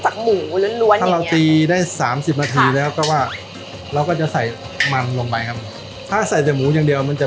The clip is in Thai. ครับผมก็ตีต่ออีกสิบนาทีครับหลังจากที่ตีหมูกับมันหมูรวมกันแล้วก็จะ